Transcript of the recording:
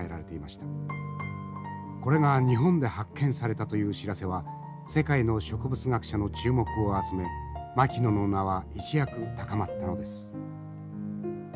これが日本で発見されたという知らせは世界の植物学者の注目を集め牧野の名は一躍高まったのです。